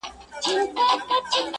خو پر لمانځه، يو داسې بله هم سته~